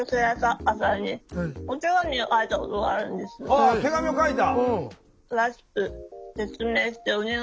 ああ手紙を書いた？